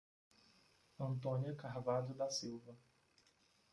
Antônia Carvalho da Silva